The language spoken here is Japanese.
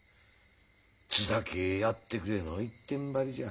「津田家へやってくれ」の一点張りじゃ。